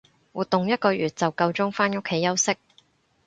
活動一個月就夠鐘返屋企休息